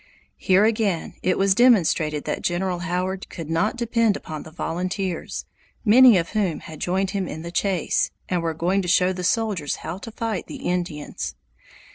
Here again it was demonstrated that General Howard could not depend upon the volunteers, many of whom had joined him in the chase, and were going to show the soldiers how to fight Indians.